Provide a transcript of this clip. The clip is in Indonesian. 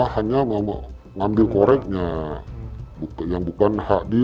hanya mau ngambil korekiya buka yang bukan khadi